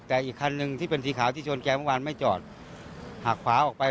แต่อีกคันหนึ่งที่เป็นสีขาวที่ชนแกเมื่อวานไม่จอดหักขวาออกไป